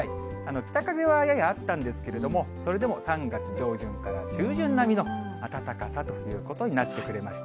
北風はややあったんですけれども、それでも３月上旬から中旬並みの暖かさということになってくれました。